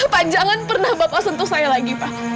pak jangan pernah bapak sentuh saya lagi pak